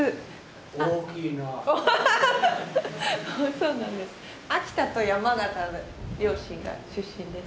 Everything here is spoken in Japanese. そうなんです。